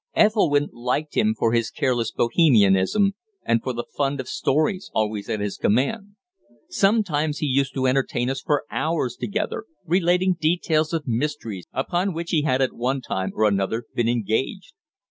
Ethelwynn liked him for his careless Bohemianism, and for the fund of stories always at his command. Sometimes he used to entertain us for hours together, relating details of mysteries upon which he had at one time or another been engaged.